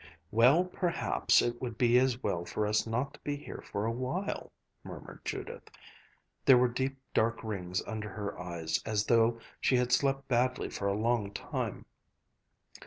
"Well, perhaps it would be as well for us not to be here for a while," murmured Judith. There were deep dark rings under her eyes, as though she had slept badly for a long time.